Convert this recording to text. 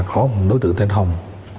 có một đối tượng tên hồng